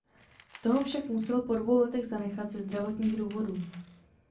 Toho však musel po dvou letech zanechat ze zdravotních důvodů.